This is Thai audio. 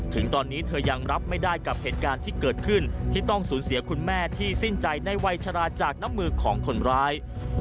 ถึงตอนนี้เธอยังรับไม่ได้กับเหตุการณ์ที่เกิดขึ้นที่ต้องสูญเสียคุณแม่ที่สิ้นใจในวัยชราจากน้ำมือของคนร้าย